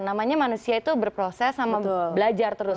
namanya manusia itu berproses sama belajar terus